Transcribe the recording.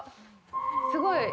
すごい。